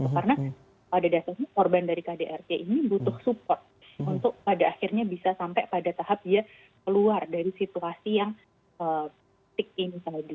karena pada dasarnya korban dari kdrk ini butuh support untuk pada akhirnya bisa sampai pada tahap ya keluar dari situasi yang stick in tadi